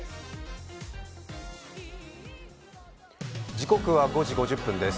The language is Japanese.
時刻は５時５０分です。